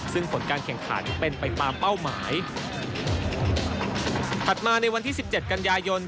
ซึ่งผลการแข่งขันเป็นไปตามเป้าหมายถัดมาในวันที่สิบเจ็ดกันยายน